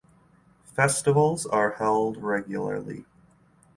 Festivals are held regularly.